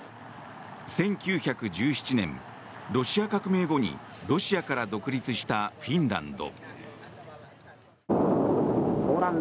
１９１７年、ロシア革命後にロシアから独立したフィンランド。